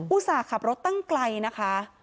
ส่าห์ขับรถตั้งไกลนะคะ